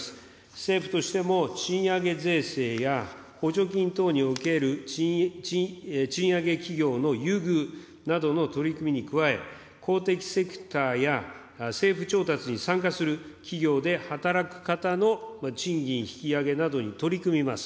政府としても、賃上げ税制や、補助金等における賃上げ企業の優遇などの取り組みに加え、公的セクターや政府調達に参加する企業で働く方の賃金引き上げなどに取り組みます。